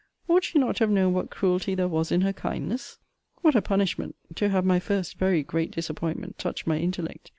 Ought she not to have known what cruelty there was in her kindness? What a punishment, to have my first very great disappointment touch my intellect!